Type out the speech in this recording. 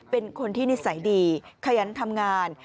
เป็นคนที่นิสัยดีขยันทำงาน